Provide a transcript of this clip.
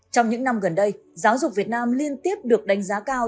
trong những năm gần đây giáo dục việt nam liên tiếp được đánh giá cao